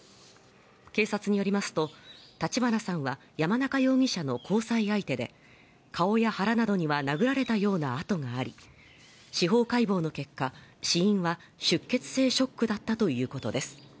警察によりますと、立花さんは山中容疑者の交際相手で顔や腹などには殴られたような痕があり、司法解剖の結果、死因は出血性ショックだったということです。